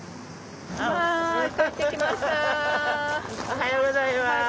おはようございます。